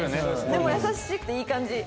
でも優しくていい感じ。